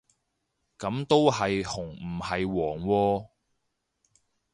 噉都係紅唔係黃喎